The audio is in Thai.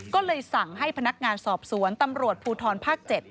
ก็เลยสั่งให้พนักงานสอบสวนตำรวจภูทรภาค๗